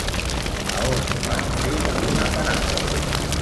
A on van fer una parada?